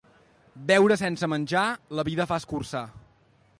Beure sense menjar la vida fa escurçar.